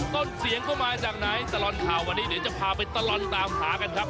ต้นเสียงเข้ามาจากไหนตลอดข่าววันนี้เดี๋ยวจะพาไปตลอดตามหากันครับ